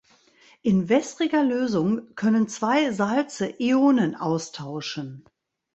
In wässriger Lösung können zwei Salze Ionen „austauschen“.